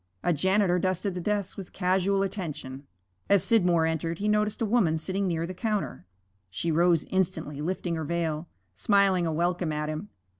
A janitor dusted the desks with casual attention. As Scidmore entered he noticed a woman sitting near the counter. She rose instantly, lifting her veil, smiling a welcome at him.